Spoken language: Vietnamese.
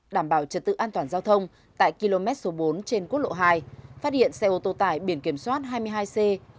đảm bảo trật tự an toàn giao thông tại km số bốn trên quốc lộ hai phát hiện xe ô tô tải biển kiểm soát hai mươi hai c ba nghìn bốn trăm bảy mươi